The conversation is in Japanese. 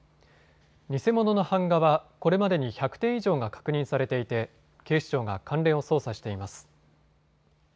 偽物の版画は、これまでに１００点以上が確認されていて警視庁が関連を捜査しています。